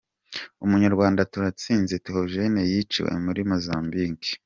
Umunyarwanda Turatsinze Theogene yiciwe muri Mozambique.